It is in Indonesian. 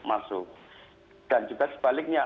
masuk dan juga sebaliknya